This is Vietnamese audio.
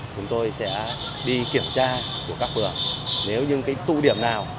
chúng tôi sẽ đi kiểm tra của các vườn nếu như cái tu điểm nào